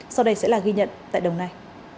sau đây sẽ là ghi nhận tại đồng nai